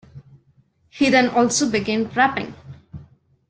He then also began rapping.